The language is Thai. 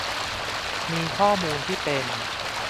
มีข้อมูลที่เป็น